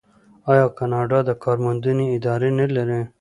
آیا کاناډا د کار موندنې ادارې نلري؟